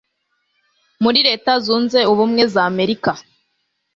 muri leta zunze ubumwe za amerika